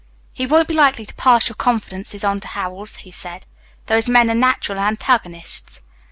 "He won't be likely to pass your confidences on to Howells," he said. "Those men are natural antagonists."